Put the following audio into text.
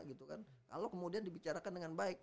gitu kan kalau kemudian dibicarakan dengan baik